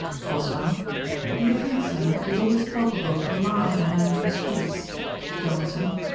BOSWELL. 'Do you think, Sir, it is always culpable to laugh at a man to his face?' JOHNSON.